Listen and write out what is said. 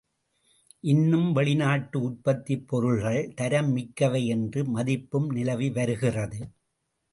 இன்னும் வெளிநாட்டு உற்பத்திப் பொருள்கள் தரம் மிக்கவை என்ற மதிப்பும் நிலவிவருகிறது.